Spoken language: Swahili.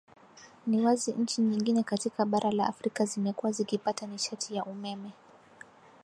ni wazi nchi nyingine katika bara la afrika zimekuwa zikipata nishati ya umeme